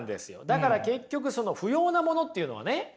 だから結局その不要なものっていうのはね